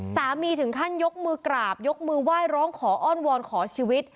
ถึงขั้นยกมือกราบยกมือไหว้ร้องขออ้อนวอนขอชีวิต